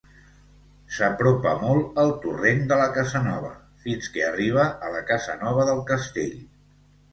S'apropa molt al torrent de la Casanova, fins que arriba a la Casanova del Castell.